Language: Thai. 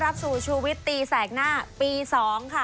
โดย